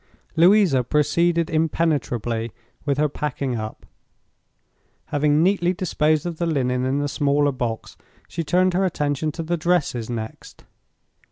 Louisa proceeded impenetrably with her packing up. Having neatly disposed of the linen in the smaller box, she turned her attention to the dresses next.